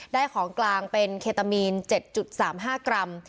ของกลางเป็นเคตามีน๗๓๕กรัม